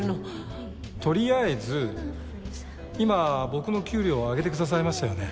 とりあえず今僕の給料を上げてくださいましたよね。